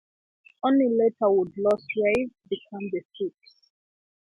Only later would Los Reyes become the seat.